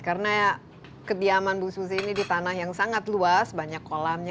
karena kediaman bu susi ini di tanah yang sangat luas banyak kolamnya